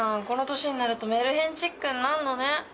この年になるとメルヘンチックになんのね。